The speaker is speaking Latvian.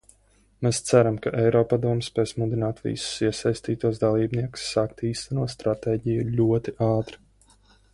Mēs ceram, ka Eiropadome spēs mudināt visus iesaistītos dalībniekus sākt īstenot stratēģiju ļoti ātri.